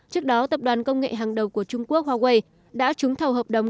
trước đó tập đoàn công nghệ hàng đầu của trung quốc huawei đã trúng thầu hợp đồng